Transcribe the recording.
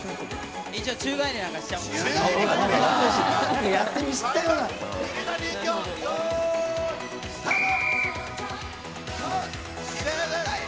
一応、宙返りなんかしちゃおよーい、スタート。